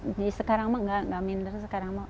jadi sekarang emak gak minder sekarang emak